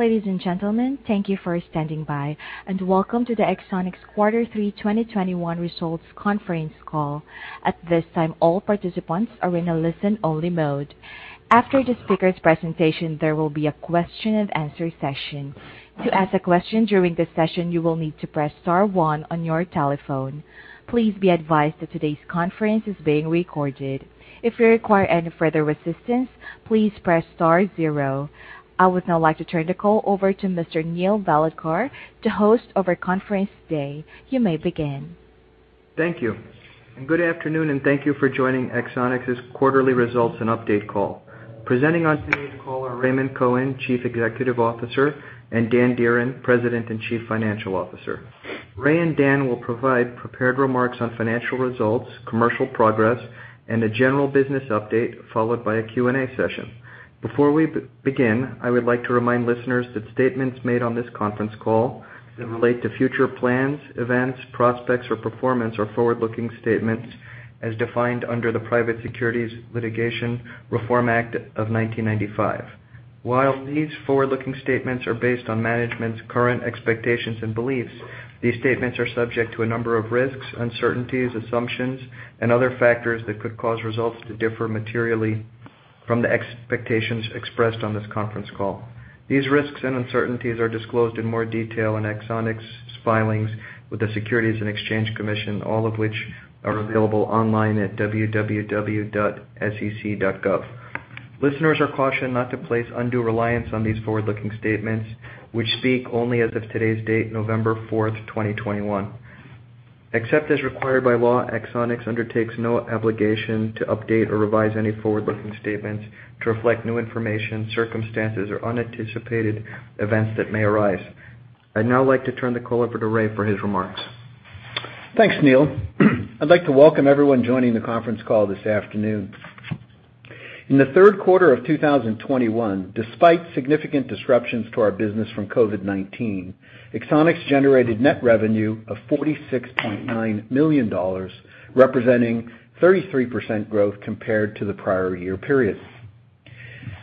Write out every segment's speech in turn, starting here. Ladies and gentlemen, thank you for standing by, and Welcome to the Axonics Quarter 3 2021 Results Conference Call. At this time, all participants are in a listen-only mode. After the speaker's presentation, there will be a question-and-answer session. To ask a question during the session, you will need to press star one on your telephone. Please be advised that today's conference is being recorded. If you require any further assistance, please press star zero. I would now like to turn the call over to Mr. Neil Bhalodkar, the host of our conference today. You may begin. Thank you. Good afternoon, and thank you for joining Axonics' quarterly results and update call. Presenting on today's call are Raymond Cohen, Chief Executive Officer, and Dan Dearen, President and Chief Financial Officer. Ray and Dan will provide prepared remarks on financial results, commercial progress, and a general business update, followed by a Q&A session. Before we begin, I would like to remind listeners that statements made on this conference call that relate to future plans, events, prospects, or performance are forward-looking statements as defined under the Private Securities Litigation Reform Act of 1995. While these forward-looking statements are based on management's current expectations and beliefs, these statements are subject to a number of risks, uncertainties, assumptions, and other factors that could cause results to differ materially from the expectations expressed on this conference call. These risks and uncertainties are disclosed in more detail in Axonics' filings with the Securities and Exchange Commission, all of which are available online at www.sec.gov. Listeners are cautioned not to place undue reliance on these forward-looking statements, which speak only as of today's date, November 4, 2021. Except as required by law, Axonics undertakes no obligation to update or revise any forward-looking statements to reflect new information, circumstances, or unanticipated events that may arise. I'd now like to turn the call over to Ray for his remarks. Thanks, Neil. I'd like to welcome everyone joining the conference call this afternoon. In the third quarter of 2021, despite significant disruptions to our business from COVID-19, Axonics generated net revenue of $46.9 million, representing 33% growth compared to the prior year period.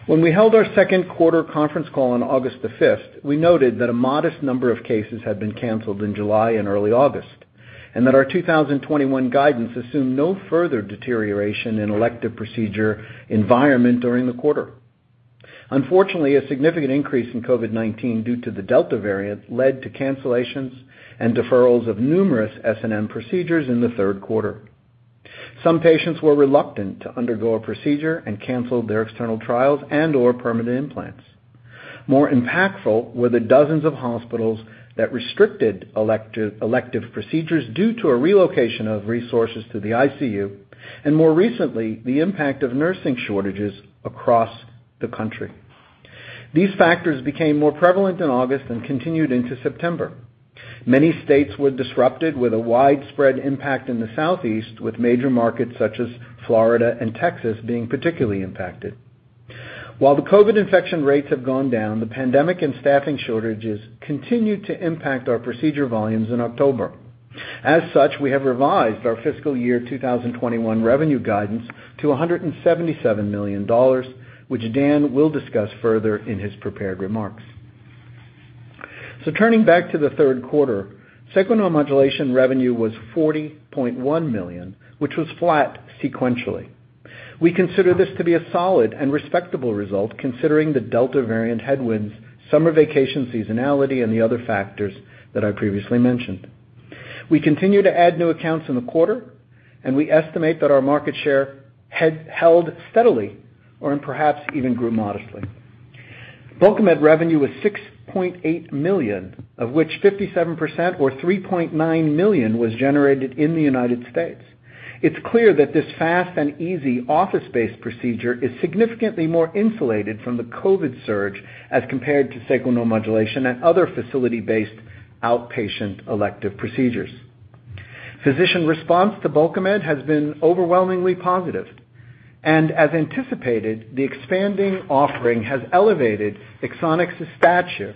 When we held our second quarter conference call on August 5, we noted that a modest number of cases had been canceled in July and early August, and that our 2021 guidance assumed no further deterioration in elective procedure environment during the quarter. Unfortunately, a significant increase in COVID-19 due to the Delta variant led to cancellations and deferrals of numerous SNM procedures in the third quarter. Some patients were reluctant to undergo a procedure and canceled their external trials and/or permanent implants. More impactful were the dozens of hospitals that restricted elective procedures due to a relocation of resources to the ICU, and more recently, the impact of nursing shortages across the country. These factors became more prevalent in August and continued into September. Many states were disrupted with a widespread impact in the Southeast, with major markets such as Florida and Texas being particularly impacted. While the COVID infection rates have gone down, the pandemic and staffing shortages continued to impact our procedure volumes in October. As such, we have revised our fiscal year 2021 revenue guidance to $177 million, which Dan will discuss further in his prepared remarks. Turning back to the third quarter, Sacral Neuromodulation revenue was $40.1 million, which was flat sequentially. We consider this to be a solid and respectable result, considering the Delta variant headwinds, summer vacation seasonality, and the other factors that I previously mentioned. We continue to add new accounts in the quarter, and we estimate that our market share had held steadily or perhaps even grew modestly. Bulkamid revenue was $6.8 million, of which 57% or $3.9 million was generated in the United States. It's clear that this fast and easy office-based procedure is significantly more insulated from the COVID surge as compared to Sacral Neuromodulation and other facility-based outpatient elective procedures. Physician response to Bulkamid has been overwhelmingly positive. As anticipated, the expanding offering has elevated Axonics' stature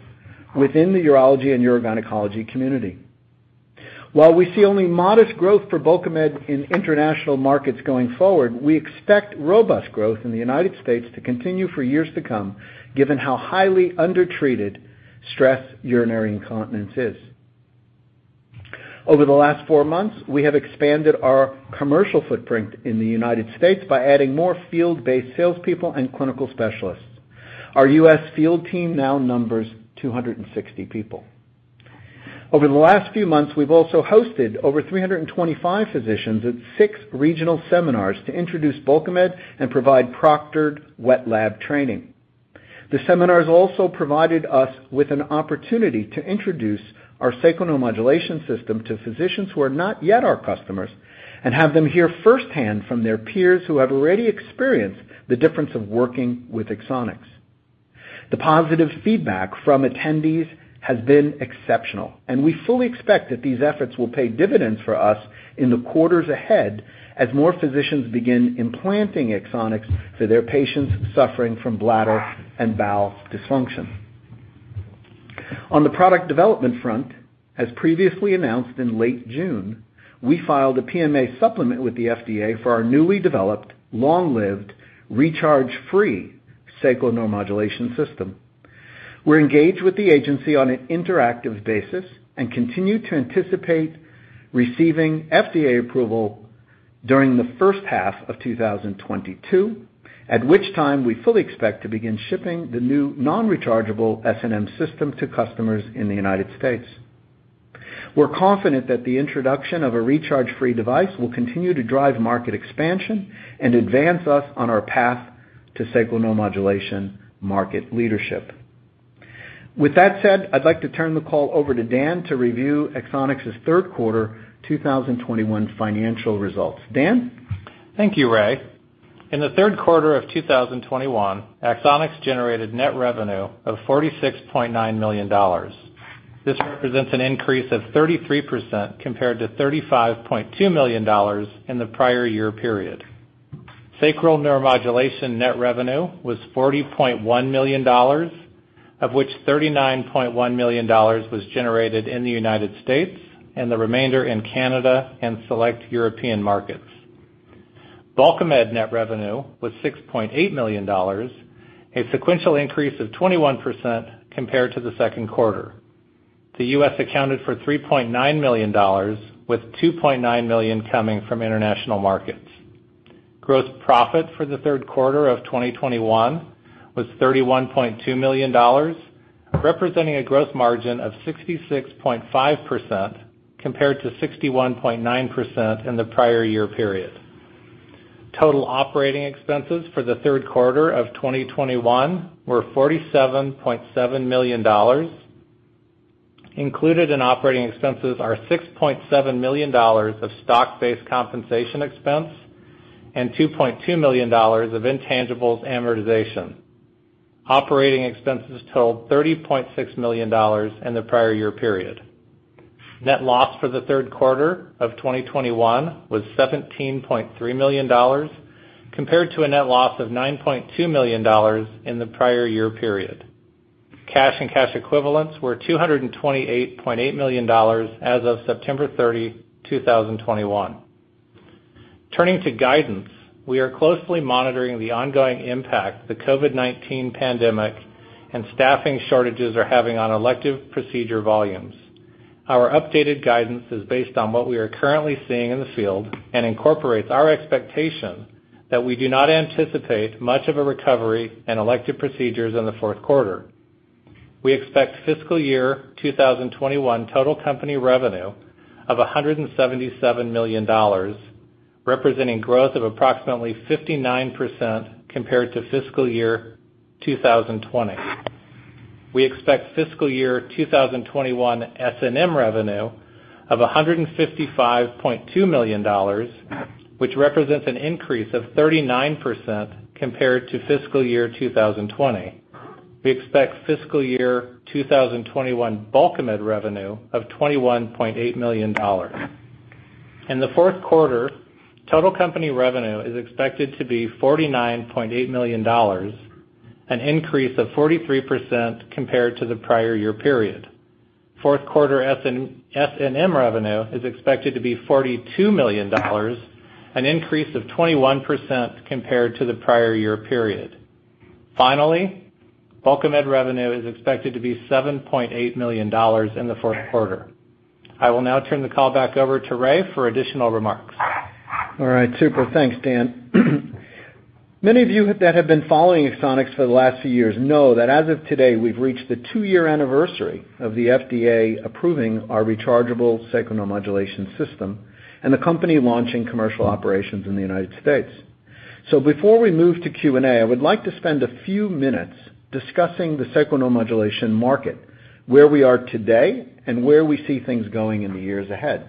within the urology and urogynecology community. While we see only modest growth for Bulkamid in international markets going forward, we expect robust growth in the United States to continue for years to come, given how highly undertreated stress urinary incontinence is. Over the last four months, we have expanded our commercial footprint in the United States by adding more field-based salespeople and clinical specialists. Our U.S. field team now numbers 260 people. Over the last few months, we've also hosted over 325 physicians at six regional seminars to introduce Bulkamid and provide proctored wet lab training. The seminars also provided us with an opportunity to introduce our Sacral Neuromodulation system to physicians who are not yet our customers and have them hear first-hand from their peers who have already experienced the difference of working with Axonics. The positive feedback from attendees has been exceptional, and we fully expect that these efforts will pay dividends for us in the quarters ahead as more physicians begin implanting Axonics to their patients suffering from bladder and bowel dysfunction. On the product development front, as previously announced in late June, we filed a PMA supplement with the FDA for our newly developed long-lived recharge-free sacral neuromodulation system. We're engaged with the agency on an interactive basis and continue to anticipate receiving FDA approval during the first half of 2022, at which time we fully expect to begin shipping the new non-rechargeable SNM system to customers in the United States. We're confident that the introduction of a recharge-free device will continue to drive market expansion and advance us on our path to sacral neuromodulation market leadership. With that said, I'd like to turn the call over to Dan to review Axonics' third quarter 2021 financial results. Dan? Thank you, Ray. In the third quarter of 2021, Axonics generated net revenue of $46.9 million. This represents an increase of 33% compared to $35.2 million in the prior year period. Sacral neuromodulation net revenue was $40.1 million, of which $39.1 million was generated in the United States and the remainder in Canada and select European markets. Bulkamid net revenue was $6.8 million, a sequential increase of 21% compared to the second quarter. The U.S. accounted for $3.9 million, with $2.9 million coming from international markets. Gross profit for the third quarter of 2021 was $31.2 million, representing a gross margin of 66.5% compared to 61.9% in the prior year period. Total operating expenses for the third quarter of 2021 were $47.7 million. Included in operating expenses are $6.7 million of stock-based compensation expense and $2.2 million of intangibles amortization. Operating expenses totaled $30.6 million in the prior year period. Net loss for the third quarter of 2021 was $17.3 million compared to a net loss of $9.2 million in the prior year period. Cash and cash equivalents were $228.8 million as of September 30, 2021. Turning to guidance, we are closely monitoring the ongoing impact the COVID-19 pandemic and staffing shortages are having on elective procedure volumes. Our updated guidance is based on what we are currently seeing in the field and incorporates our expectation that we do not anticipate much of a recovery in elective procedures in the fourth quarter. We expect fiscal year 2021 total company revenue of $177 million, representing growth of approximately 59% compared to fiscal year 2020. We expect fiscal year 2021 SNM revenue of $155.2 million, which represents an increase of 39% compared to fiscal year 2020. We expect fiscal year 2021 Bulkamid revenue of $21.8 million. In the fourth quarter, total company revenue is expected to be $49.8 million, an increase of 43% compared to the prior year period. Fourth quarter SNM revenue is expected to be $42 million, an increase of 21% compared to the prior year period. Finally, Bulkamid revenue is expected to be $7.8 million in the fourth quarter. I will now turn the call back over to Ray for additional remarks. All right. Super. Thanks, Dan. Many of you that have been following Axonics for the last few years know that as of today, we've reached the two-year anniversary of the FDA approving our rechargeable sacral neuromodulation system and the company launching commercial operations in the United States. Before we move to Q&A, I would like to spend a few minutes discussing the sacral neuromodulation market, where we are today, and where we see things going in the years ahead.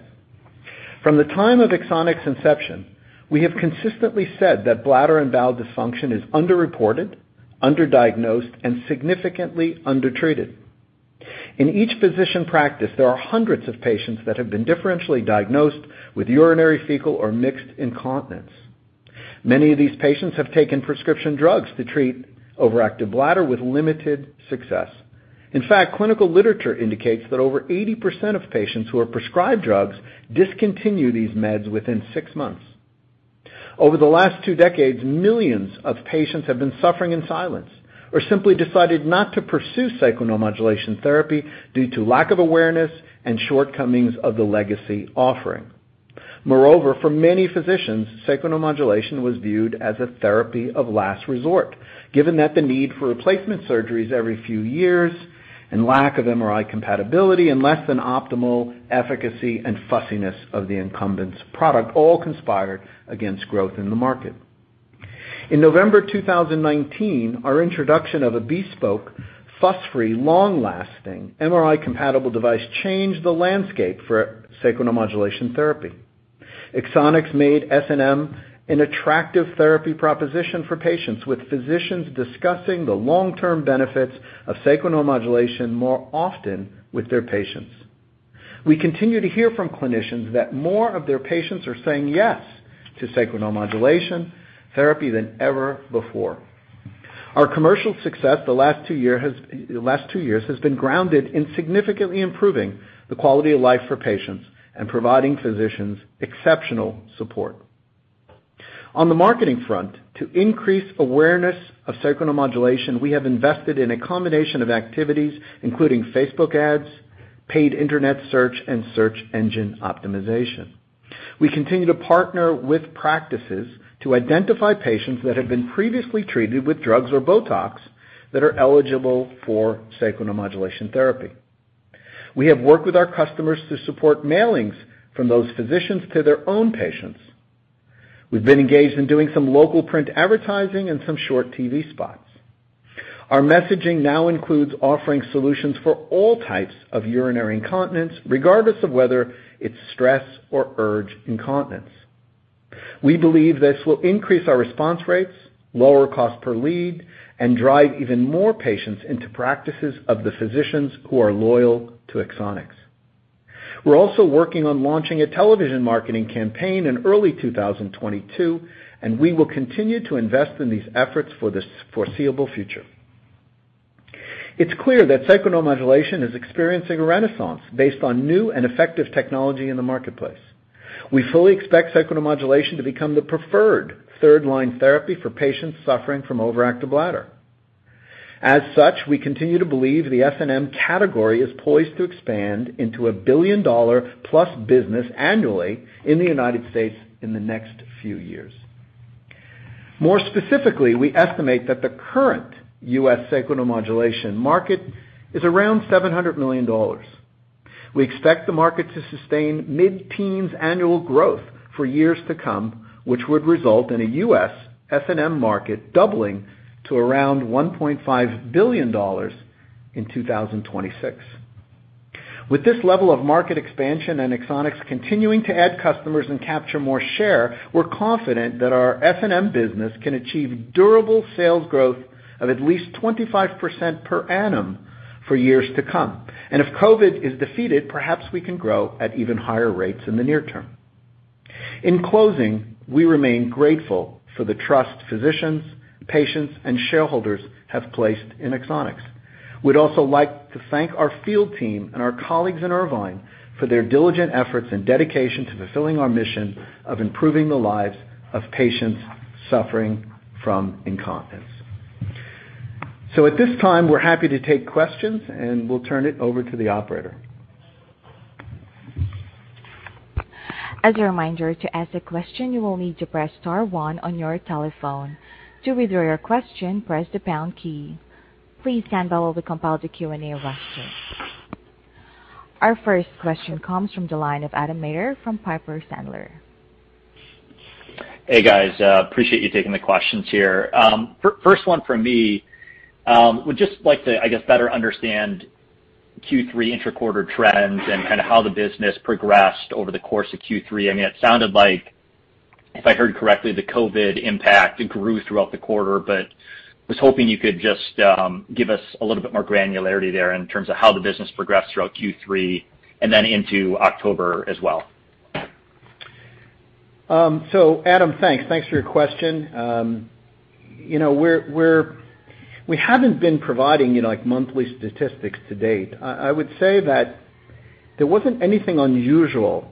From the time of Axonics' inception, we have consistently said that bladder and bowel dysfunction is underreported, underdiagnosed, and significantly undertreated. In each physician practice, there are hundreds of patients that have been differentially diagnosed with urinary, fecal, or mixed incontinence. Many of these patients have taken prescription drugs to treat overactive bladder with limited success. In fact, clinical literature indicates that over 80% of patients who are prescribed drugs discontinue these meds within six months. Over the last two decades, millions of patients have been suffering in silence or simply decided not to pursue sacral neuromodulation therapy due to lack of awareness and shortcomings of the legacy offering. Moreover, for many physicians, sacral neuromodulation was viewed as a therapy of last resort, given that the need for replacement surgeries every few years and lack of MRI compatibility and less than optimal efficacy and fussiness of the incumbent's product all conspired against growth in the market. In November 2019, our introduction of a bespoke, fuss-free, long-lasting MRI-compatible device changed the landscape for sacral neuromodulation therapy. Axonics made SNM an attractive therapy proposition for patients, with physicians discussing the long-term benefits of Sacral Neuromodulation more often with their patients. We continue to hear from clinicians that more of their patients are saying yes to Sacral Neuromodulation therapy than ever before. Our commercial success over the last two years has been grounded in significantly improving the quality of life for patients and providing physicians exceptional support. On the marketing front, to increase awareness of Sacral Neuromodulation, we have invested in a combination of activities, including Facebook ads, paid internet search, and search engine optimization. We continue to partner with practices to identify patients that have been previously treated with drugs or BOTOX that are eligible for Sacral Neuromodulation therapy. We have worked with our customers to support mailings from those physicians to their own patients. We've been engaged in doing some local print advertising and some short TV spots. Our messaging now includes offering solutions for all types of urinary incontinence, regardless of whether it's stress or urge incontinence. We believe this will increase our response rates, lower cost per lead, and drive even more patients into practices of the physicians who are loyal to Axonics. We're also working on launching a television marketing campaign in early 2022, and we will continue to invest in these efforts for this foreseeable future. It's clear that sacral neuromodulation is experiencing a renaissance based on new and effective technology in the marketplace. We fully expect sacral neuromodulation to become the preferred third line therapy for patients suffering from overactive bladder. As such, we continue to believe the SNM category is poised to expand into a billion-dollar-plus business annually in the United States in the next few years. More specifically, we estimate that the current U.S. sacral neuromodulation market is around $700 million. We expect the market to sustain mid-teens% annual growth for years to come, which would result in a U.S. SNM market doubling to around $1.5 billion in 2026. With this level of market expansion and Axonics continuing to add customers and capture more share, we're confident that our SNM business can achieve durable sales growth of at least 25% per annum for years to come. If COVID is defeated, perhaps we can grow at even higher rates in the near term. In closing, we remain grateful for the trust physicians, patients, and shareholders have placed in Axonics. We'd also like to thank our field team and our colleagues in Irvine for their diligent efforts and dedication to fulfilling our mission of improving the lives of patients suffering from incontinence. At this time, we're happy to take questions, and we'll turn it over to the operator. Our first question comes from the line of Adam Maeder from Piper Sandler. Hey, guys, appreciate you taking the questions here. First one from me. Would just like to, I guess, better understand Q3 intraquarter trends and kind of how the business progressed over the course of Q3. I mean, it sounded like, if I heard correctly, the COVID impact grew throughout the quarter, but was hoping you could just give us a little bit more granularity there in terms of how the business progressed throughout Q3 and then into October as well. Adam, thanks. Thanks for your question. You know, we haven't been providing, like monthly statistics to date. I would say that there wasn't anything unusual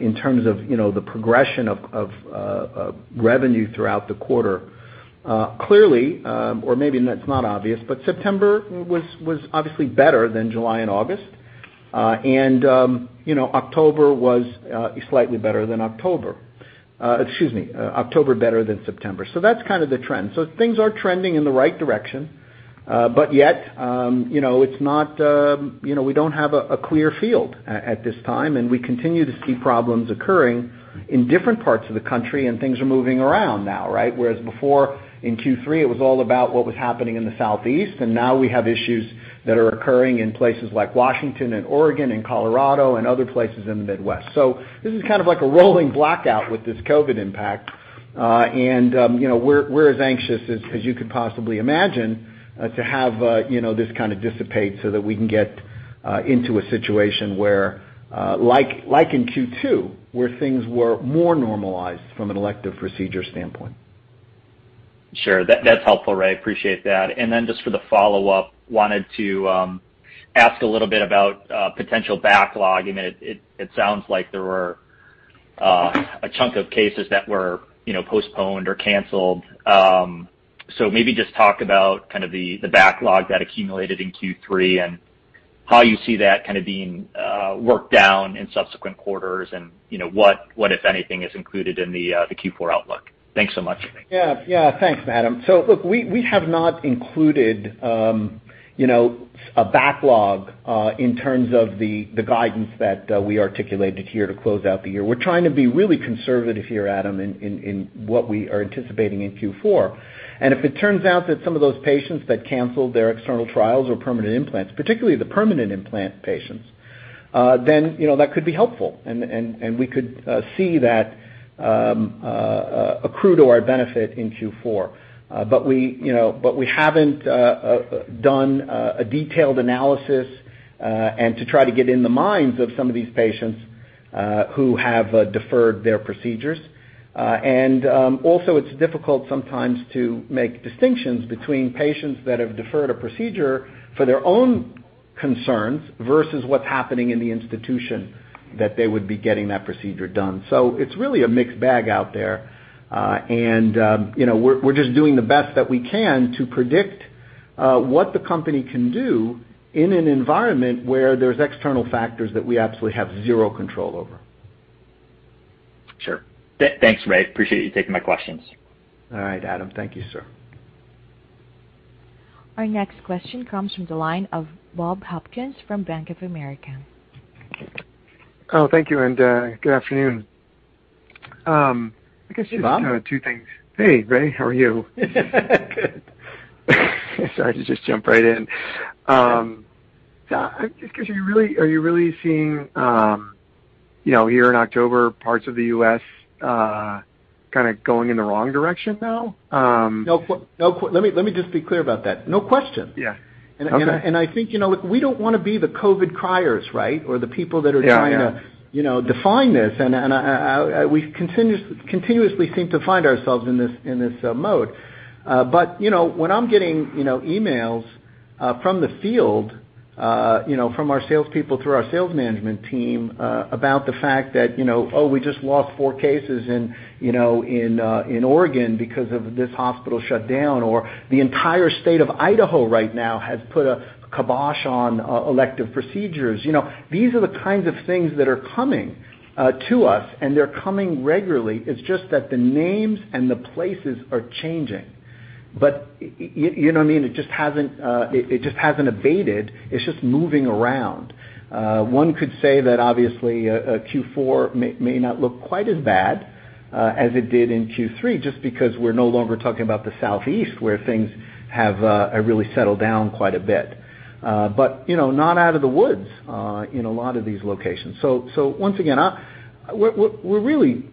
in terms of, you know, the progression of revenue throughout the quarter. Clearly, or maybe that's not obvious, but September was obviously better than July and August. You know, October was slightly better than October. Excuse me, October better than September. That's kind of the trend. Things are trending in the right direction, but yet, you know, it's not, you know, we don't have a clear field at this time, and we continue to see problems occurring in different parts of the country, and things are moving around now, right? Whereas before in Q3, it was all about what was happening in the Southeast, and now we have issues that are occurring in places like Washington and Oregon and Colorado and other places in the Midwest. This is kind of like a rolling blackout with this COVID impact. You know, we're as anxious as you could possibly imagine to have you know this kind of dissipate so that we can get into a situation where like in Q2, where things were more normalized from an elective procedure standpoint. Sure. That's helpful, Ray. Appreciate that. Then just for the follow-up, wanted to ask a little bit about potential backlog. I mean, it sounds like there were a chunk of cases that were, you know, postponed or canceled. So maybe just talk about kind of the backlog that accumulated in Q3 and how you see that kind of being worked down in subsequent quarters and, you know, what, if anything, is included in the Q4 outlook. Thanks so much. Yeah. Yeah. Thanks, Adam. Look, we have not included, you know, a backlog in terms of the guidance that we articulated here to close out the year. We're trying to be really conservative here, Adam, in what we are anticipating in Q4. If it turns out that some of those patients that canceled their external trials or permanent implants, particularly the permanent implant patients, then, you know, that could be helpful and we could see that accrue to our benefit in Q4. We, you know, haven't done a detailed analysis, and to try to get in the minds of some of these patients who have deferred their procedures. Also, it's difficult sometimes to make distinctions between patients that have deferred a procedure for their own concerns versus what's happening in the institution that they would be getting that procedure done. It's really a mixed bag out there. You know, we're just doing the best that we can to predict what the company can do in an environment where there's external factors that we absolutely have zero control over. Sure. Thanks, Ray. Appreciate you taking my questions. All right, Adam. Thank you, sir. Our next question comes from the line of Bob Hopkins from Bank of America. Oh, thank you and good afternoon. Bob? Two things. Hey, Ray. How are you? Good. Sorry to just jump right in. I guess are you really seeing, you know, here in October, parts of the U.S., kinda going in the wrong direction now? Let me just be clear about that. No question. Yeah. Okay. I think, you know, look, we don't wanna be the COVID criers, right? Or the people that are- Yeah, yeah. Trying to, you know, define this. We continuously seem to find ourselves in this mode. You know, when I'm getting, you know, emails from the field, you know, from our salespeople through our sales management team, about the fact that, you know, "Oh, we just lost four cases in Oregon because of this hospital shutdown," or the entire state of Idaho right now has put a kibosh on elective procedures. You know, these are the kinds of things that are coming to us, and they're coming regularly. It's just that the names and the places are changing. You know what I mean? It just hasn't abated. It's just moving around. One could say that obviously, Q4 may not look quite as bad as it did in Q3, just because we're no longer talking about the southeast where things have really settled down quite a bit. You know, not out of the woods in a lot of these locations. Once again, we're really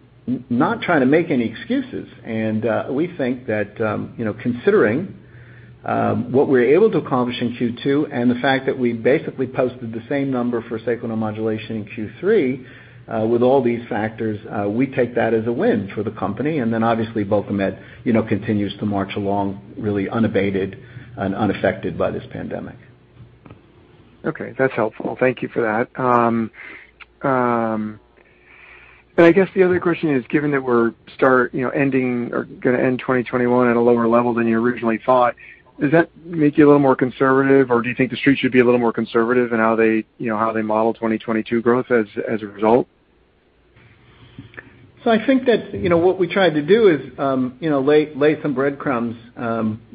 not trying to make any excuses. We think that, you know, considering what we're able to accomplish in Q2 and the fact that we basically posted the same number for Sacral Neuromodulation in Q3, with all these factors, we take that as a win for the company. Obviously, Bulkamid, you know, continues to march along really unabated and unaffected by this pandemic. Okay, that's helpful. Thank you for that. I guess the other question is, given that we're ending or gonna end 2021 at a lower level than you originally thought, does that make you a little more conservative, or do you think the Street should be a little more conservative in how they, you know, how they model 2022 growth as a result? I think that, you know, what we tried to do is, you know, lay some breadcrumbs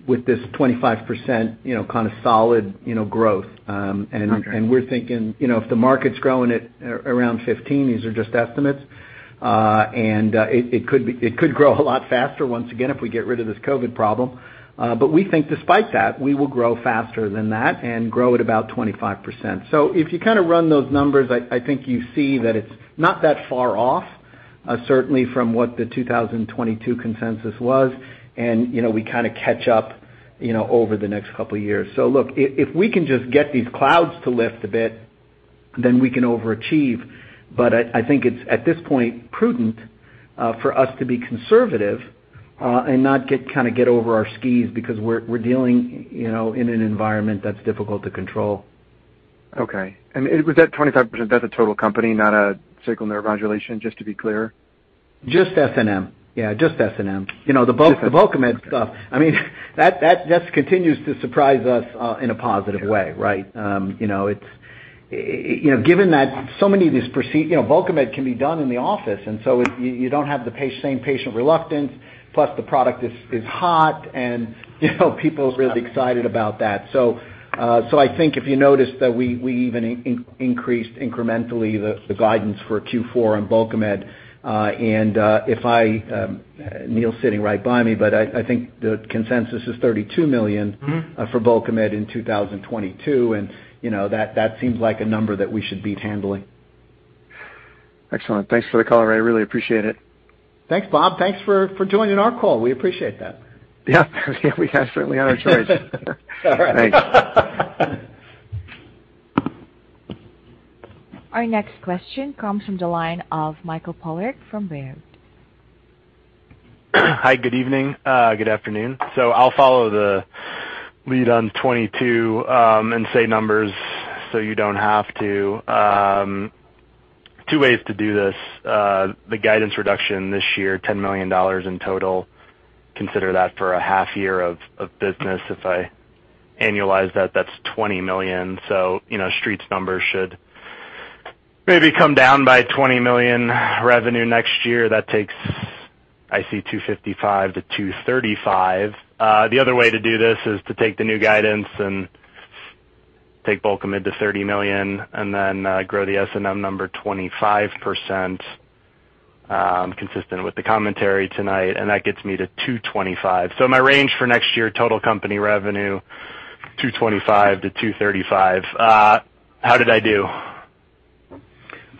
with this 25%, you know, kind of solid, you know, growth. Okay We're thinking, you know, if the market's growing at around 15, these are just estimates. It could grow a lot faster once again if we get rid of this COVID problem. We think despite that, we will grow faster than that and grow at about 25%. If you kinda run those numbers, I think you see that it's not that far off, certainly from what the 2022 consensus was. You know, we kinda catch up, you know, over the next couple of years. Look, if we can just get these clouds to lift a bit, then we can overachieve. I think it's at this point prudent for us to be conservative and not kinda get over our skis because we're dealing, you know, in an environment that's difficult to control. Okay. Was that 25%, that's a total company, not Sacral Neuromodulation, just to be clear? Just SNM. Yeah, just SNM. You know, the Bul- Just the-... the Bulkamid stuff, I mean that continues to surprise us in a positive way. Sure. Right? You know, it's you know, given that so many of these Bulkamid can be done in the office, and you don't have the same patient reluctance, plus the product is hot and, you know, people are really excited about that. I think if you notice that we even increased incrementally the guidance for Q4 on Bulkamid. Neil's sitting right by me, but I think the consensus is $32 million. Mm-hmm for Bulkamid in 2022. You know, that seems like a number that we should be handling. Excellent. Thanks for the call, Ray. I really appreciate it. Thanks, Bob. Thanks for joining our call. We appreciate that. Yeah. We certainly had our choice. All right. Thanks. Our next question comes from the line of Mike Polark from Baird. Hi, good evening. Good afternoon. I'll follow the lead on 2022 and say numbers so you don't have to. Two ways to do this. The guidance reduction this year, $10 million in total, consider that for a half year of business. If I annualize that's $20 million. You know, Street's numbers should maybe come down by $20 million revenue next year. That takes, I see $255 million to $235 million. The other way to do this is to take the new guidance and take Bulkamid to $30 million and then, grow the SNM number 25%, consistent with the commentary tonight, and that gets me to $225 million. My range for next year total company revenue, $225 million-$235 million. How did I do?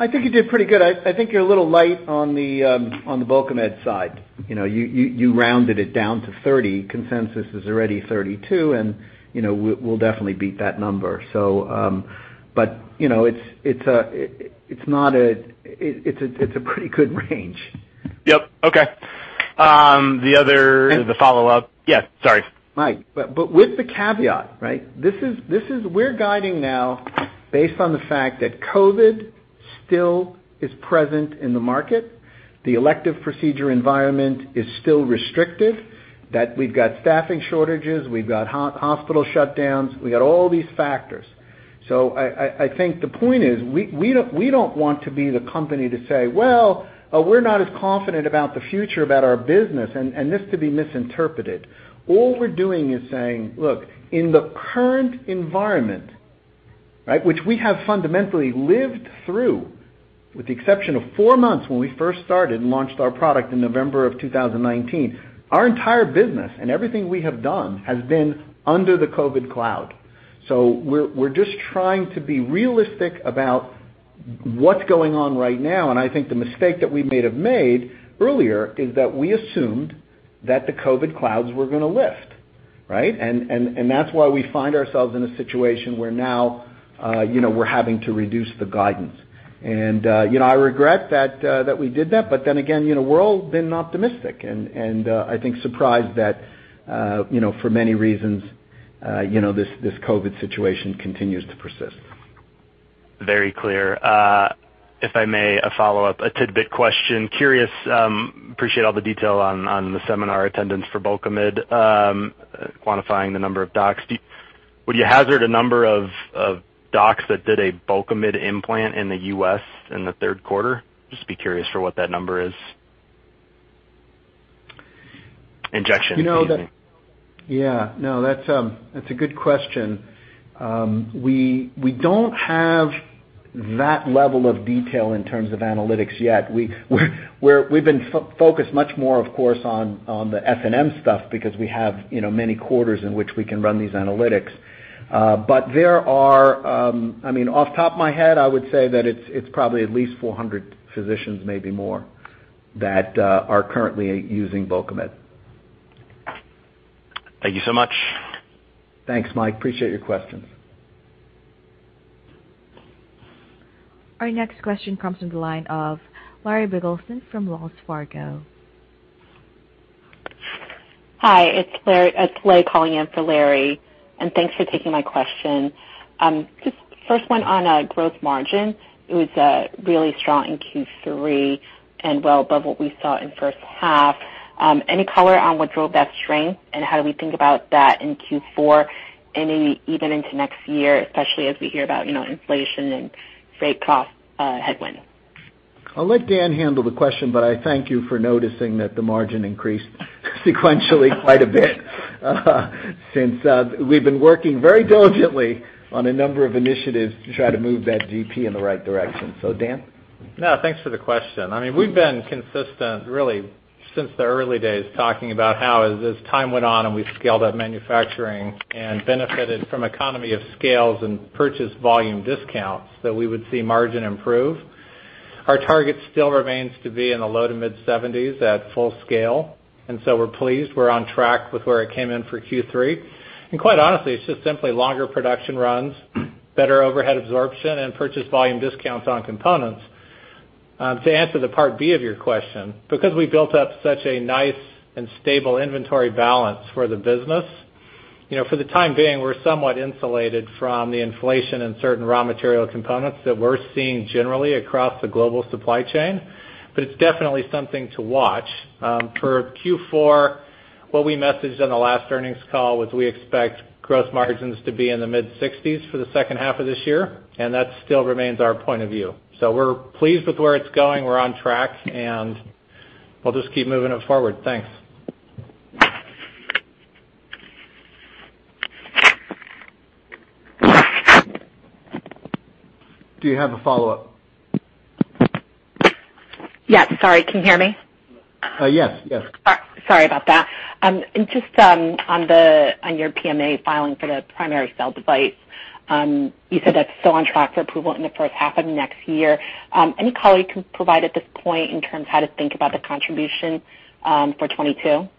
I think you did pretty good. I think you're a little light on the Bulkamid side. You rounded it down to $30. Consensus is already $32, and we'll definitely beat that number. You know, it's a pretty good range. Yep. Okay. And- The follow-up. Yes, sorry. Mike. With the caveat, right? We're guiding now based on the fact that COVID still is present in the market. The elective procedure environment is still restricted, that we've got staffing shortages, we've got hospital shutdowns, we've got all these factors. I think the point is we don't want to be the company to say, "Well, we're not as confident about the future about our business," and this to be misinterpreted. All we're doing is saying, "Look, in the current environment," right? Which we have fundamentally lived through, with the exception of four months when we first started and launched our product in November of 2019. Our entire business and everything we have done has been under the COVID cloud. We're just trying to be realistic about what's going on right now. I think the mistake that we may have made earlier is that we assumed that the COVID clouds were gonna lift, right? That's why we find ourselves in a situation where now, you know, we're having to reduce the guidance. You know, I regret that we did that, but then again, you know, we're all been optimistic and I think surprised that, you know, for many reasons, you know, this COVID situation continues to persist. Very clear. If I may, a follow-up, a tidbit question. I'm curious, appreciate all the detail on the seminar attendance for Bulkamid, quantifying the number of docs. Would you hazard a number of docs that did a Bulkamid injection in the U.S. in the third quarter? Just curious about what that number is. You know, that's a good question. We don't have that level of detail in terms of analytics yet. We've been focused much more, of course, on the SNM stuff because we have, you know, many quarters in which we can run these analytics. But there are. I mean, off the top of my head, I would say that it's probably at least 400 physicians, maybe more, that are currently using Bulkamid. Thank you so much. Thanks, Mike. I appreciate your questions. Our next question comes from the line of Larry Biegelsen from Wells Fargo. Hi, it's Lei calling in for Larry, and thanks for taking my question. Just first one on gross margin. It was really strong in Q3 and well above what we saw in first half. Any color on what drove that strength, and how do we think about that in Q4, any even into next year, especially as we hear about, you know, inflation and freight cost headwind? I'll let Dan handle the question, but I thank you for noticing that the margin increased sequentially quite a bit. Since, we've been working very diligently on a number of initiatives to try to move that GP in the right direction. Dan? No, thanks for the question. I mean, we've been consistent really since the early days, talking about how as time went on and we scaled up manufacturing and benefited from economy of scales and purchase volume discounts, that we would see margin improve. Our target still remains to be in the low to mid 70s at full scale. We're pleased we're on track with where it came in for Q3. Quite honestly, it's just simply longer production runs, better overhead absorption, and purchase volume discounts on components. To answer the part B of your question, because we built up such a nice and stable inventory balance for the business, you know, for the time being, we're somewhat insulated from the inflation in certain raw material components that we're seeing generally across the global supply chain, but it's definitely something to watch. For Q4, what we messaged on the last earnings call was we expect gross margins to be in the mid 60s for the second half of this year, and that still remains our point of view. We're pleased with where it's going. We're on track, and we'll just keep moving it forward. Thanks. Do you have a follow-up? Yeah. Sorry. Can you hear me? Yes. Yes. All right. Sorry about that. Just on your PMA filing for the primary cell device, you said that's still on track for approval in the first half of next year. Any color you can provide at this point in terms of how to think about the contribution for 2022?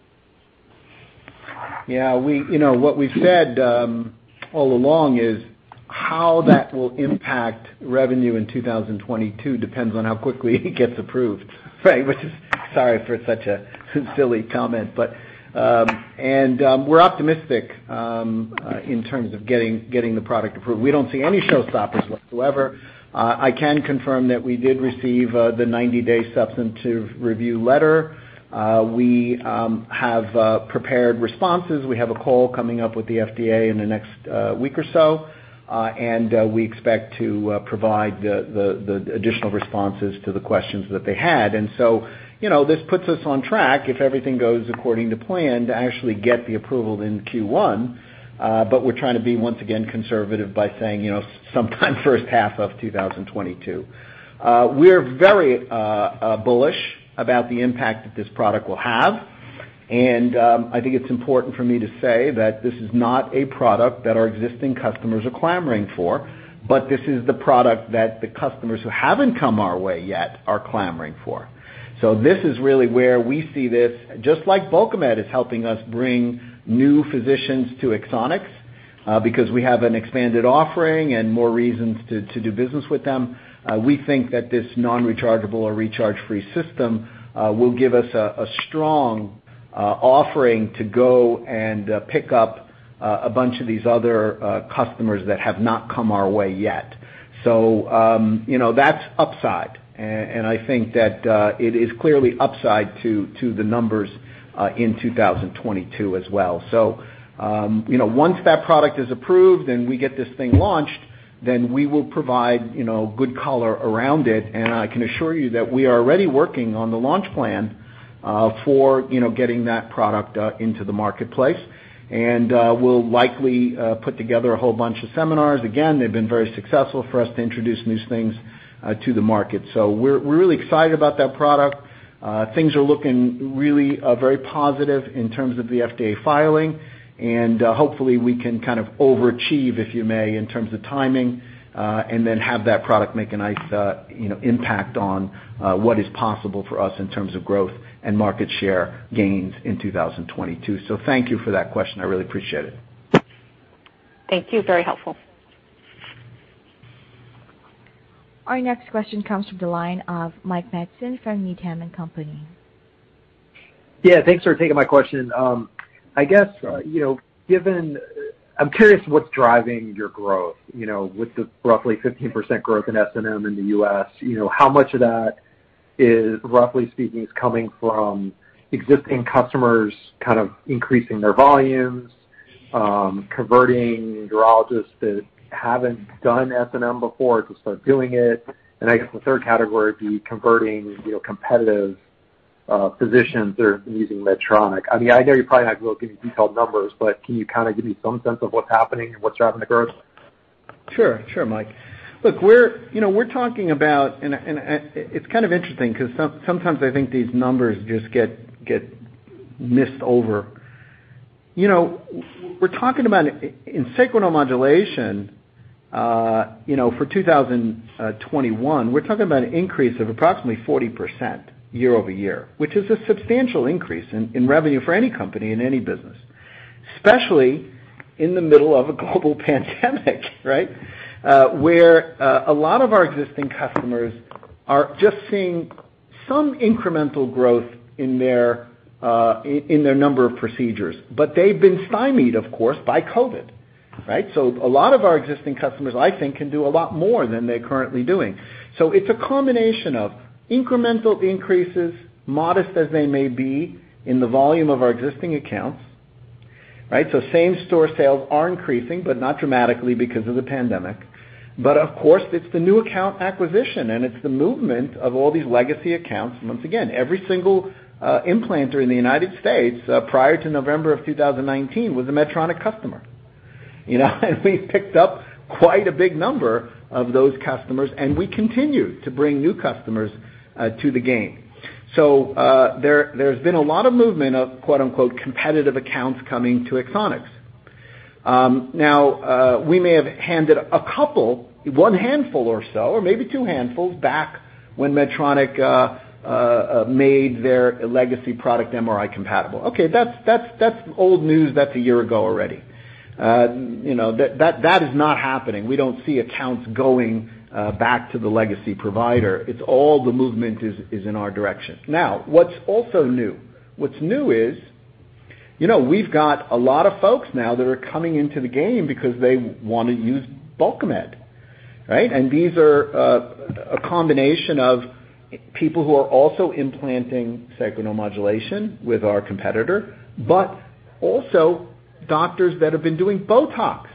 Yeah. You know, what we've said all along is how that will impact revenue in 2022 depends on how quickly it gets approved, right? Which is. Sorry for such a silly comment, but we're optimistic in terms of getting the product approved. We don't see any showstoppers whatsoever. I can confirm that we did receive the 90-day substantive review letter. We have prepared responses. We have a call coming up with the FDA in the next week or so, and we expect to provide the additional responses to the questions that they had. You know, this puts us on track, if everything goes according to plan, to actually get the approval in Q1. We're trying to be, once again, conservative by saying, you know, sometime first half of 2022. We're very bullish about the impact that this product will have. I think it's important for me to say that this is not a product that our existing customers are clamoring for, but this is the product that the customers who haven't come our way yet are clamoring for. This is really where we see this, just like Bulkamid is helping us bring new physicians to Axonics. Because we have an expanded offering and more reasons to do business with them, we think that this non-rechargeable or recharge-free system will give us a strong offering to go and pick up a bunch of these other customers that have not come our way yet. You know, that's upside. I think that it is clearly upside to the numbers in 2022 as well. You know, once that product is approved and we get this thing launched, then we will provide you know, good color around it. I can assure you that we are already working on the launch plan for you know, getting that product into the marketplace. We'll likely put together a whole bunch of seminars. Again, they've been very successful for us to introduce new things to the market. We're really excited about that product. Things are looking really, very positive in terms of the FDA filing, and, hopefully we can kind of overachieve, if you may, in terms of timing, and then have that product make a nice, you know, impact on, what is possible for us in terms of growth and market share gains in 2022. Thank you for that question. I really appreciate it. Thank you. Very helpful. Our next question comes from the line of Mike Matson from Needham & Company. Yeah. Thanks for taking my question. I guess, you know, given I'm curious what's driving your growth, you know, with the roughly 15% growth in SNM in the U.S. You know, how much of that is, roughly speaking, coming from existing customers kind of increasing their volumes, converting urologists that haven't done SNM before to start doing it, and I guess the third category would be converting, you know, competitive physicians that are using Medtronic. I mean, I know you probably not going to give me detailed numbers, but can you kind of give me some sense of what's happening and what's driving the growth? Sure, sure, Mike. Look, you know, we're talking about. It's kind of interesting 'cause sometimes I think these numbers just get missed over. You know, we're talking about in sacral neuromodulation, you know, for 2021, we're talking about an increase of approximately 40% year-over-year, which is a substantial increase in revenue for any company in any business, especially in the middle of a global pandemic, right? Where a lot of our existing customers are just seeing some incremental growth in their number of procedures. They've been stymied, of course, by COVID, right? A lot of our existing customers, I think, can do a lot more than they're currently doing. It's a combination of incremental increases, modest as they may be, in the volume of our existing accounts, right? Same-store sales are increasing, but not dramatically because of the pandemic. Of course, it's the new account acquisition, and it's the movement of all these legacy accounts. Once again, every single implanter in the United States prior to November 2019 was a Medtronic customer. You know, and we picked up quite a big number of those customers, and we continue to bring new customers to the game. There's been a lot of movement of quote-unquote "competitive accounts" coming to Axonics. Now, we may have handed a couple, one handful or so, or maybe two handfuls back when Medtronic made their legacy product MRI compatible. Okay, that's old news. That's a year ago already. You know, that is not happening. We don't see accounts going back to the legacy provider. It's all the movement is in our direction. Now, what's also new is, you know, we've got a lot of folks now that are coming into the game because they want to use Bulkamid, right? These are a combination of people who are also implanting sacral neuromodulation with our competitor, but also doctors that have been doing Botox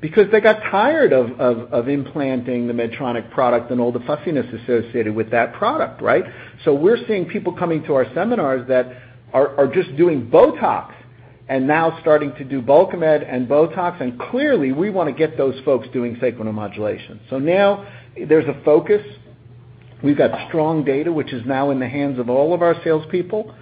because they got tired of implanting the Medtronic product and all the fussiness associated with that product, right? We're seeing people coming to our seminars that are just doing Botox and now starting to do Bulkamid and Botox, and clearly, we want to get those folks doing sacral neuromodulation. Now there's a focus. We've got strong data, which is now in the hands of all of our salespeople,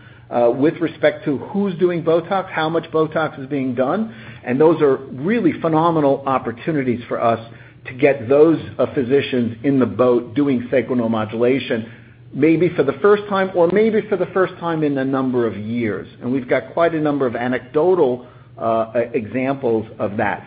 with respect to who's doing BOTOX, how much BOTOX is being done, and those are really phenomenal opportunities for us to get those physicians in the boat doing sacral neuromodulation maybe for the first time, or maybe for the first time in a number of years. We've got quite a number of anecdotal examples of that.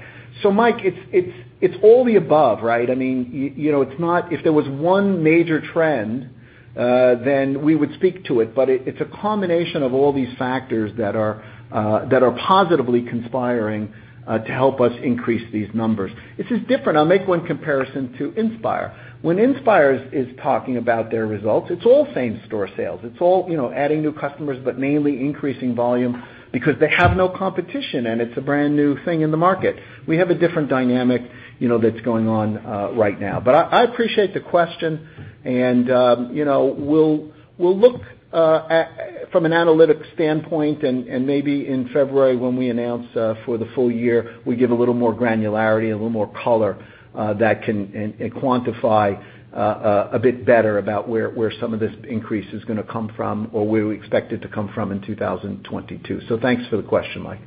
Mike, it's all the above, right? I mean, you know, it's not. If there was one major trend, then we would speak to it. But it's a combination of all these factors that are positively conspiring to help us increase these numbers. This is different. I'll make one comparison to Inspire. When Inspire is talking about their results, it's all same-store sales. It's all, you know, adding new customers, but mainly increasing volume because they have no competition, and it's a brand-new thing in the market. We have a different dynamic, you know, that's going on right now. I appreciate the question, and you know, we'll look from an analytics standpoint and maybe in February when we announce for the full year, we give a little more granularity, a little more color that can and quantify a bit better about where some of this increase is gonna come from or where we expect it to come from in 2022. Thanks for the question, Mike.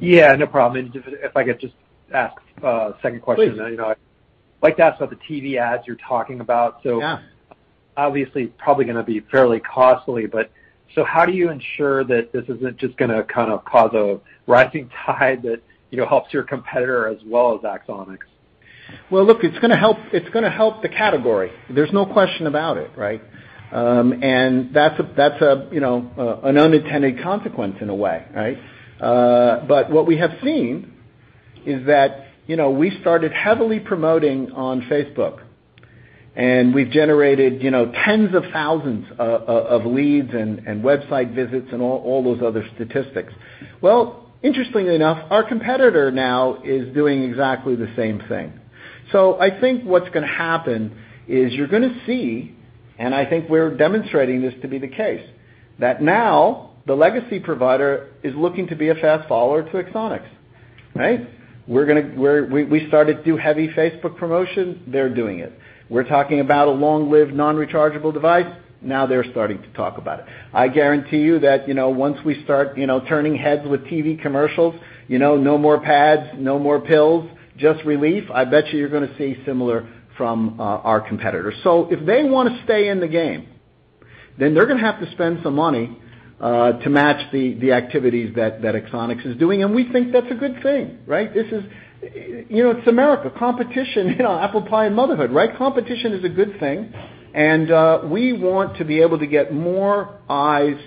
Yeah, no problem. If I could just ask a second question. Please. You know, I'd like to ask about the TV ads you're talking about. Yeah. Obviously probably gonna be fairly costly. How do you ensure that this isn't just gonna kind of cause a rising tide that, you know, helps your competitor as well as Axonics? Well, look, it's gonna help the category. There's no question about it, right? That's a you know an unintended consequence in a way, right? What we have seen is that you know we started heavily promoting on Facebook, and we've generated you know tens of thousands of leads and website visits and all those other statistics. Well, interestingly enough, our competitor now is doing exactly the same thing. I think what's gonna happen is you're gonna see, and I think we're demonstrating this to be the case, that now the legacy provider is looking to be a fast follower to Axonics, right? We started doing heavy Facebook promotion. They're doing it. We're talking about a long-lived, non-rechargeable device. Now they're starting to talk about it. I guarantee you that, you know, once we start, you know, turning heads with TV commercials, you know, no more pads, no more pills, just relief. I bet you you're gonna see similar from our competitors. If they wanna stay in the game, then they're gonna have to spend some money to match the activities that Axonics is doing, and we think that's a good thing, right? This is America, competition, you know, apple pie and motherhood, right? Competition is a good thing, and we want to be able to get more eyes,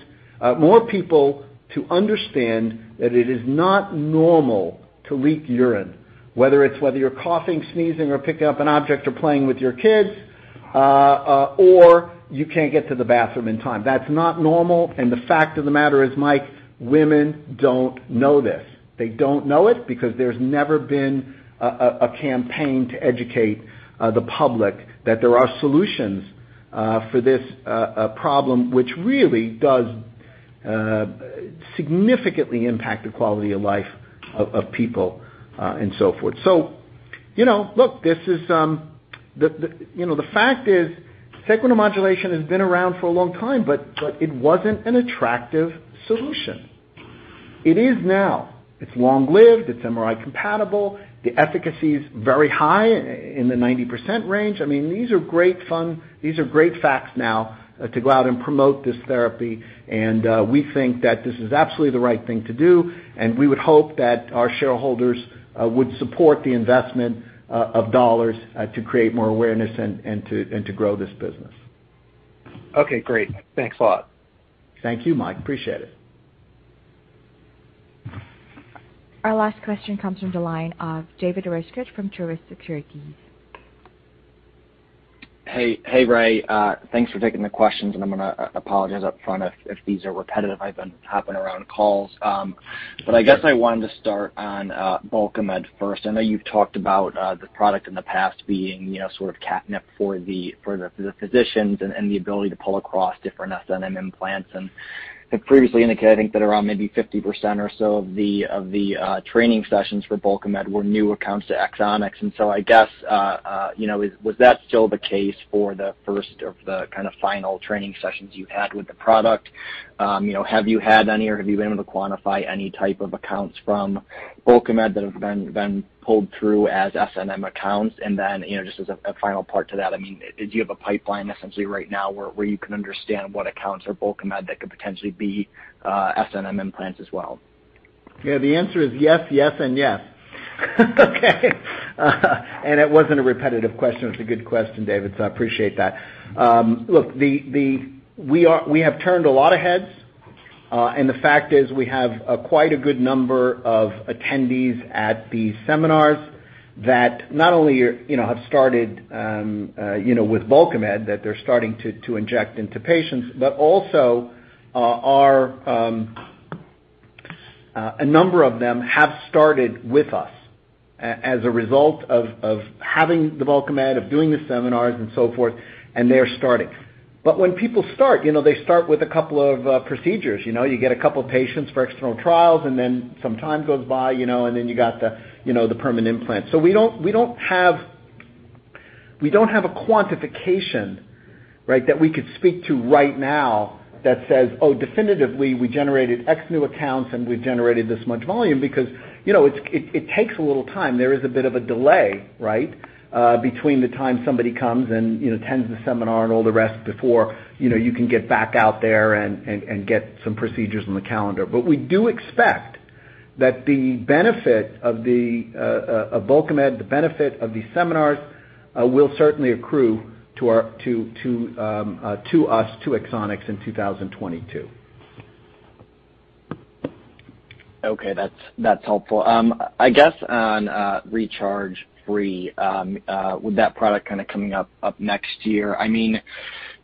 more people to understand that it is not normal to leak urine, whether you're coughing, sneezing or picking up an object or playing with your kids, or you can't get to the bathroom in time. That's not normal. The fact of the matter is, Mike, women don't know this. They don't know it because there's never been a campaign to educate the public that there are solutions for this problem, which really does significantly impact the quality of life of people and so forth. You know, look, the fact is, Sacral Neuromodulation has been around for a long time, but it wasn't an attractive solution. It is now. It's long-lived, it's MRI compatible. The efficacy is very high in the 90% range. I mean, these are great facts now to go out and promote this therapy. We think that this is absolutely the right thing to do, and we would hope that our shareholders would support the investment of dollars to create more awareness and to grow this business. Okay, great. Thanks a lot. Thank you, Mike. Appreciate it. Our last question comes from the line of David Rescott from Truist Securities. Hey. Hey, Ray. Thanks for taking the questions. I'm gonna apologize up front if these are repetitive. I've been hopping around calls. But I guess I wanted to start on Bulkamid first. I know you've talked about the product in the past being, you know, sort of catnip for the physicians and the ability to pull across different SNM implants. You previously indicated, I think that around maybe 50% or so of the training sessions for Bulkamid were new accounts to Axonics. I guess, you know, was that still the case for the first of the kind of final training sessions you had with the product? You know, have you had any or have you been able to quantify any type of accounts from Bulkamid that have been pulled through as SNM accounts? You know, just as a final part to that, I mean, do you have a pipeline essentially right now where you can understand what accounts are Bulkamid that could potentially be SNM implants as well? Yeah, the answer is yes and yes. Okay. It wasn't a repetitive question. It's a good question, David, so I appreciate that. Look, we have turned a lot of heads, and the fact is we have quite a good number of attendees at these seminars that not only you know have started with Bulkamid, that they're starting to inject into patients. Also, a number of them have started with us as a result of having the Bulkamid, of doing the seminars and so forth, and they're starting. When people start, you know, they start with a couple of procedures. You know, you get a couple patients for external trials, and then some time goes by, you know, and then you got the permanent implant. We don't have a quantification, right, that we could speak to right now that says, "Oh, definitively we generated X new accounts and we've generated this much volume," because, you know, it takes a little time. There is a bit of a delay, right, between the time somebody comes and, you know, attends the seminar and all the rest before, you know, you can get back out there and get some procedures on the calendar. We do expect that the benefit of Bulkamid, the benefit of these seminars, will certainly accrue to us, to Axonics in 2022. Okay, that's helpful. I guess on recharge-free, with that product kinda coming up next year, I mean,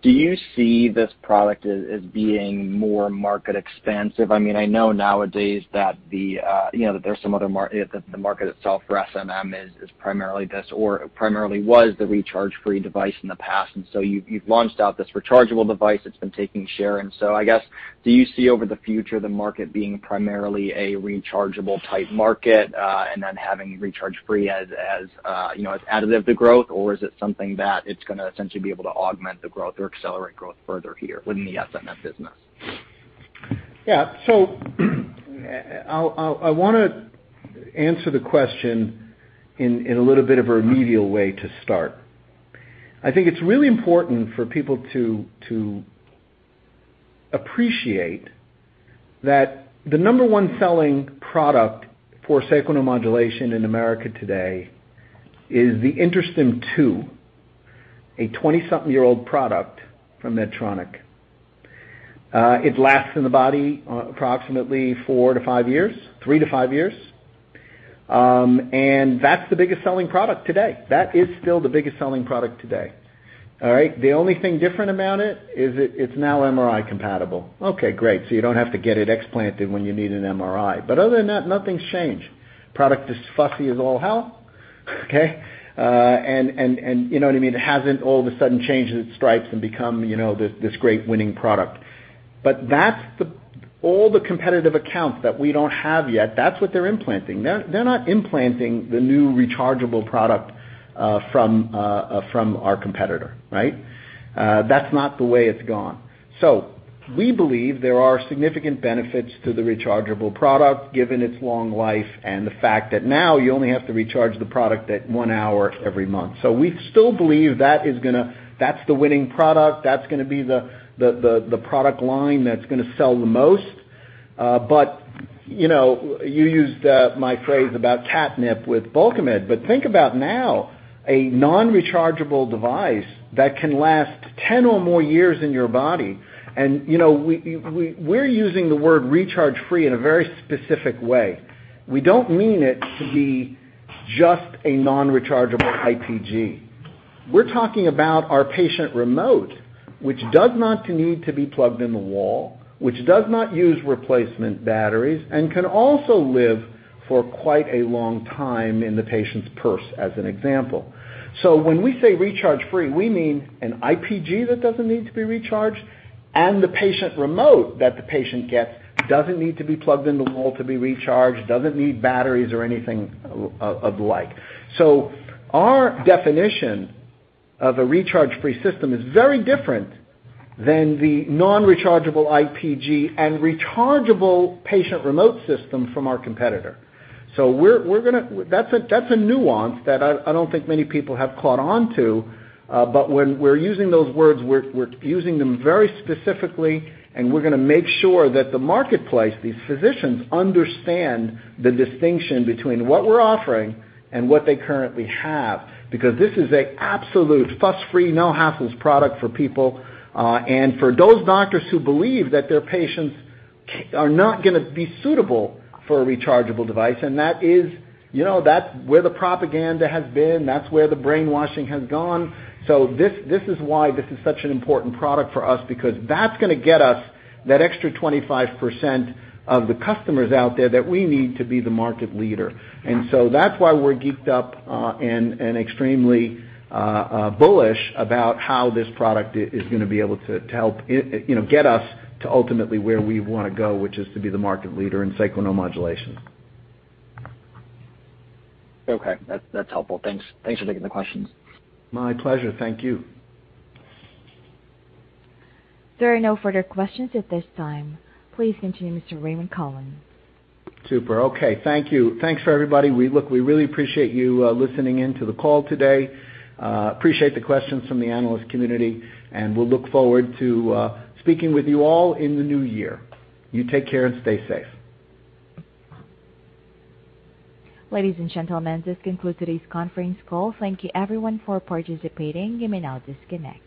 do you see this product as being more market expansive? I mean, I know nowadays that you know that the market itself for SNM is primarily this or primarily was the recharge-free device in the past. You've launched this rechargeable device that's been taking share. I guess, do you see in the future the market being primarily a rechargeable type market, and then having recharge-free as you know as additive to growth? Or is it something that it's gonna essentially be able to augment the growth or accelerate growth further here within the SNM business? Yeah. I'll answer the question in a little bit of a remedial way to start. I think it's really important for people to appreciate that the number-one selling product for Sacral Neuromodulation in America today is the InterStim II, a 20-something-year-old product from Medtronic. It lasts in the body approximately 4-5 years, 3-5 years. That's the biggest selling product today. That is still the biggest selling product today. The only thing different about it is it's now MRI compatible. Okay, great. You don't have to get it explanted when you need an MRI. Other than that, nothing's changed. Product is fussy as all hell, okay? You know what I mean, it hasn't all of a sudden changed its stripes and become, you know, this great winning product. That's all the competitive accounts that we don't have yet. That's what they're implanting. They're not implanting the new rechargeable product from our competitor, right? That's not the way it's gone. We believe there are significant benefits to the rechargeable product, given its long life and the fact that now you only have to recharge the product at one hour every month. We still believe that's the winning product. That's gonna be the product line that's gonna sell the most. You know, you used my phrase about catnip with Bulkamid. Think about now a non-rechargeable device that can last 10 or more years in your body. You know, we're using the word recharge free in a very specific way. We don't mean it to be just a non-rechargeable IPG. We're talking about our patient remote, which does not need to be plugged in the wall, which does not use replacement batteries, and can also live for quite a long time in the patient's purse, as an example. When we say recharge free, we mean an IPG that doesn't need to be recharged, and the patient remote that the patient gets doesn't need to be plugged into the wall to be recharged, doesn't need batteries or anything of the like. Our definition of a recharge-free system is very different than the non-rechargeable IPG and rechargeable patient remote system from our competitor. That's a nuance that I don't think many people have caught on to. But when we're using those words, we're using them very specifically, and we're gonna make sure that the marketplace, these physicians, understand the distinction between what we're offering and what they currently have, because this is a absolute fuss-free, no-hassles product for people. For those doctors who believe that their patients are not gonna be suitable for a rechargeable device, and that is, you know, that's where the propaganda has been. That's where the brainwashing has gone. This is why this is such an important product for us, because that's gonna get us that extra 25% of the customers out there that we need to be the market leader. That's why we're geeked up and extremely bullish about how this product is gonna be able to help you know, get us to ultimately where we wanna go, which is to be the market leader in sacral neuromodulation. Okay. That's helpful. Thanks. Thanks for taking the questions. My pleasure. Thank you. There are no further questions at this time. Please continue, Mr. Raymond Cohen. Super. Okay. Thank you. Thanks, everybody. Look, we really appreciate you listening in to the call today. Appreciate the questions from the analyst community, and we'll look forward to speaking with you all in the new year. You take care and stay safe. Ladies and gentlemen, this concludes today's conference call. Thank you everyone for participating. You may now disconnect.